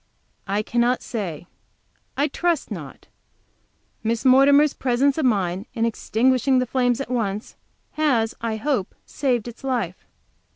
"I cannot say; I trust not. Miss Mortimer's presence of mind in extinguishing the flames at once, has, I hope, saved its life."